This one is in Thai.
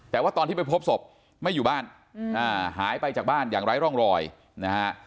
แต่ว่าตอนที่ไปพบศพไม่อยู่บ้านหายไปจากบ้านอย่างไร้ร่องรอยนะฮะ